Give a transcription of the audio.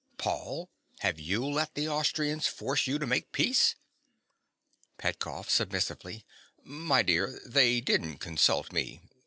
Paul: have you let the Austrians force you to make peace? PETKOFF. (submissively). My dear: they didn't consult me.